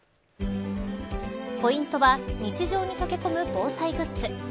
ポイントは日常に溶け込む防災グッズ。